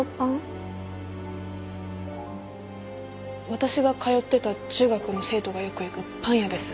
私が通ってた中学の生徒がよく行くパン屋です。